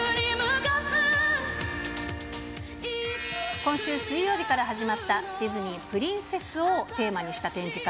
今週水曜日から始まったディズニープリンセスをテーマにした展示会。